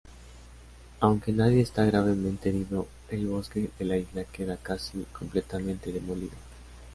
Aunque nadie está gravemente herido, el bosque de la isla queda casi completamente demolido.